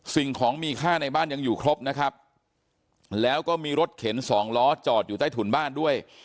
สิ่งของมีค่าในบ้านยังอยู่ครบนะครับแล้วก็มีรถเข็นสองล้อจอดอยู่ใต้ถุนบ้านด้วย